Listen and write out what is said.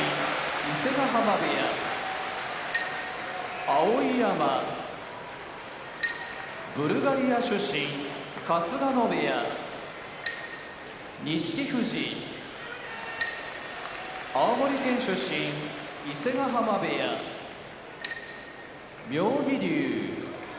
伊勢ヶ濱部屋碧山ブルガリア出身春日野部屋錦富士青森県出身伊勢ヶ濱部屋妙義龍